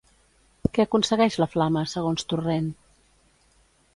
Què aconsegueix la Flama, segons Torrent?